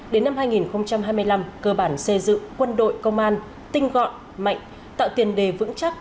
đến năm hai nghìn hai mươi năm cơ bản xây dựng quân đội công an tinh gọn mạnh tạo tiền đề vững chắc